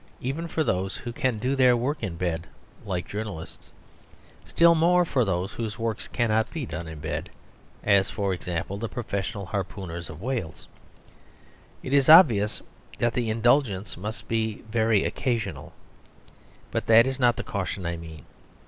Even for those who can do their work in bed (like journalists), still more for those whose work cannot be done in bed (as, for example, the professional harpooners of whales), it is obvious that the indulgence must be very occasional. But that is not the caution I mean.